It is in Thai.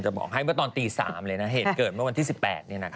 บอกให้เมื่อตอนตี๓เลยนะเหตุเกิดเมื่อวันที่๑๘